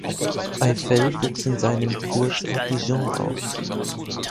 Eiffel wuchs in seinem Geburtsort Dijon auf.